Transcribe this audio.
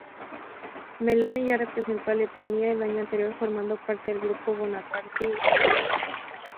Meloni ya representó a Letonia el año anterior formando parte del grupo Bonaparti.lv.